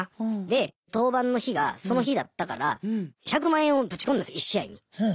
で登板の日がその日だったから１００万円をぶち込んだんです１試合に。